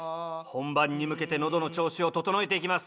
本番に向けて喉の調子を整えていきます。